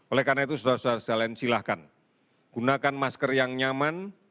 oleh karena itu saudara saudara sekalian silahkan gunakan masker yang nyaman